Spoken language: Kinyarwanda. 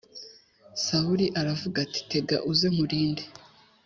Sawuli aravuga ati tega uze nkurinde